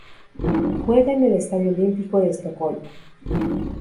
Juega en el Estadio Olímpico de Estocolmo.